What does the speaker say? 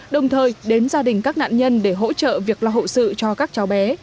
đồng thời đến gia đình các nạn nhân để hỗ trợ việc lo hậu sự cho các cháu bé